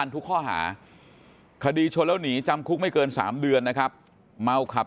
ทุกข้อหาคดีชนแล้วหนีจำคุกไม่เกิน๓เดือนนะครับเมาขับ